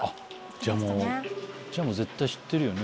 じゃあもう絶対知ってるよね